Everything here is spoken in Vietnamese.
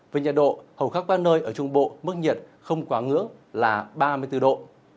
với nhiệt độ hầu khắc ban nơi ở trung bộ mức nhiệt không quá ngứa là ba mươi bốn độ